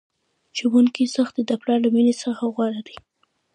د ښوونکي سختي د پلار له میني څخه غوره ده!